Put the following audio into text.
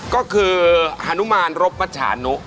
ก็คือฮานุมานรบวัชชานุ